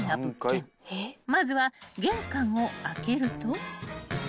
［まずは玄関を開けると］